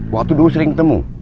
waktu dulu sering ketemu